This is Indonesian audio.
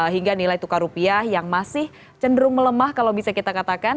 hingga nilai tukar rupiah yang masih cenderung melemah kalau bisa kita katakan